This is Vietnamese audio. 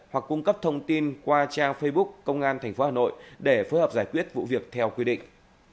hoặc cung cấp thông tin qua trang facebook công an tp hà nội để phối hợp giải quyết vụ việc theo quy định